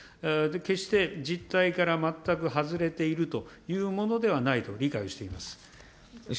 決して、実態から全く外れているというものではないと理解をしています。